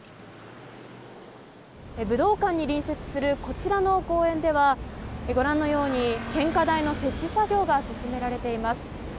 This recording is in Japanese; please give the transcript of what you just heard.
武道館に隣接するこちらの公園ではご覧のように、献花台の設置作業が進められています。